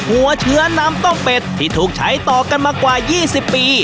หัวเชื้อน้ำต้มเป็ดที่ถูกใช้ต่อกันมากว่า๒๐ปี